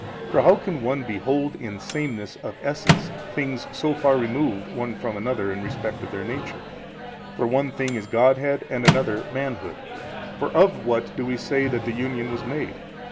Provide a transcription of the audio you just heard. for how can one behold in sameness of essence things so far removed one from another in respect of their nature? for one thing is Godhead, and another manhood. For of what do we say that the Union was made?